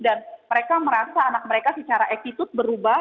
dan mereka merasa anak mereka secara attitude berubah